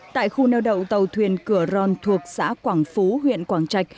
tại khu neo đậu tàu thuyền cửa ron thuộc xã quảng phú huyện quảng trạch